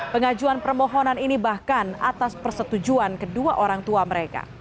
pengajuan permohonan ini bahkan atas persetujuan kedua orang tua mereka